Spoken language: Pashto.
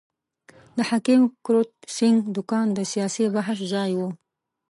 د حکیم کرت سېنګ دوکان د سیاسي بحث ځای وو.